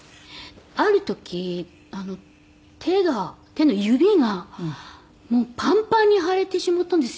ある時手が手の指がパンパンに腫れてしまったんですよ。